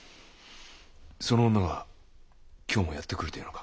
その女が今日もやって来るというのか？